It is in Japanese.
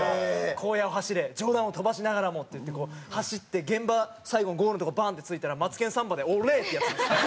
「荒野を走れ」「冗談を飛ばしながらも」って走って現場最後のゴールの所バン！って着いたら『マツケンサンバ』で「オレ！」ってやってたんですよ。